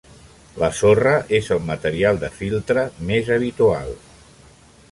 La sorra és el material de filtre més habitual.